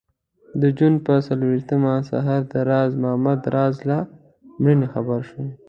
د جون پر څلرویشتمه سهار د راز محمد راز له مړینې خبر شوم.